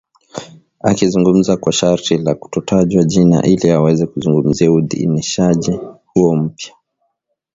Akizungumza kwa sharti la kutotajwa jina ili aweze kuzungumzia uidhinishaji huo mpya.